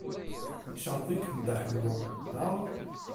Yecɣeb-ikem Dda Ḥemmu, naɣ?